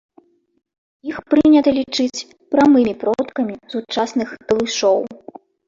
Іх прынята лічыць прамымі продкамі сучасных талышоў.